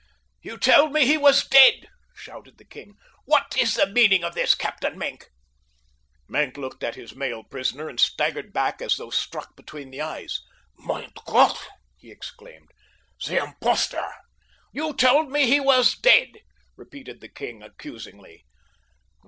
"You told me he was dead," shouted the king. "What is the meaning of this, Captain Maenck?" Maenck looked at his male prisoner and staggered back as though struck between the eyes. "Mein Gott," he exclaimed, "the impostor!" "You told me he was dead," repeated the king accusingly.